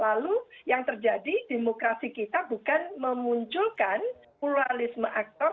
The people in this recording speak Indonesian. lalu yang terjadi demokrasi kita bukan memunculkan pluralisme aktor